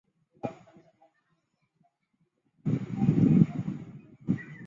周柏豪小时候居住在青衣长康邨。